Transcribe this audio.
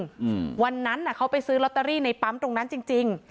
อืมวันนั้นอ่ะเขาไปซื้อลอตเตอรี่ในปั๊มตรงนั้นจริงจริง